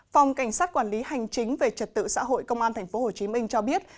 phòng cảnh sát quản lý hành chính về trật tự xã hội công an tp hcm cho biết